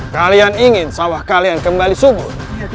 kalian ingin sawah kalian kembali subur